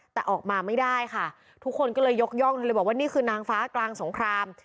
แต่ออกมาไม่ได้ค่ะทุกคนก็เลยยกย่องเธอเลยบอกว่านี่คือนางฟ้ากลางสงคราม